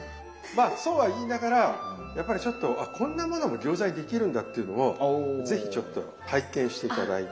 まあそうは言いながらやっぱりちょっと「あっこんなものも餃子にできるんだ」っていうのを是非ちょっと体験して頂いて。